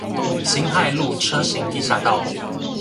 辛亥路車行地下道